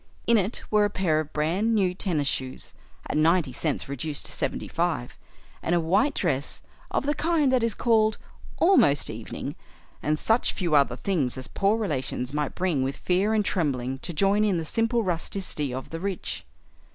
In it were a pair of brand new tennis shoes (at ninety cents reduced to seventy five) and a white dress of the kind that is called "almost evening," and such few other things as poor relations might bring with fear and trembling to join in the simple rusticity of the rich.